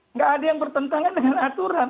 nggak ada yang bertentangan dengan aturan